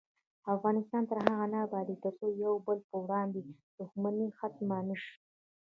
افغانستان تر هغو نه ابادیږي، ترڅو د یو بل پر وړاندې دښمني ختمه نشي.